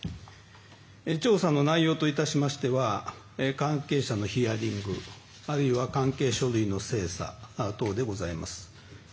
調査の内容といたしましては関係者のヒアリングあるいは関係書類の精査等でございます。